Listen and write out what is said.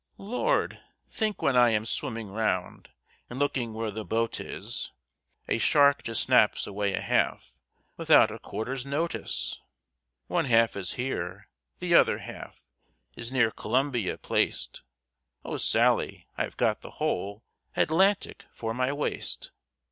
"Lord! think when I am swimming round, And looking where the boat is, A shark just snaps away a half, Without a 'quarter's notice.' "One half is here, the other half Is near Columbia placed; Oh! Sally, I have got the whole Atlantic for my waist.